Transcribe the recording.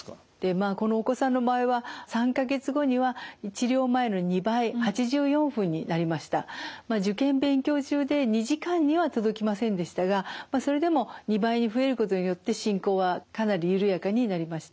まあこのお子さんの場合は３か月後には受験勉強中で２時間には届きませんでしたがそれでも２倍に増えることによって進行はかなり緩やかになりました。